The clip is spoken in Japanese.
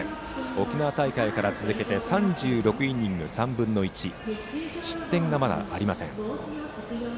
沖縄大会から続けて３６イニング３分の１失点がまだありません。